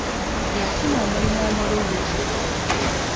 Yafuna omulimu omulungi.